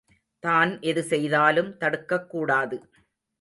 தான் எது செய்தாலும் தடுக்கக்கூடாது.